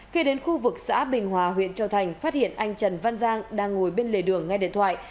khi đến khu vực xã bình hòa huyện châu thành phát hiện anh trần văn giang đang ngồi bên lề đường nghe điện thoại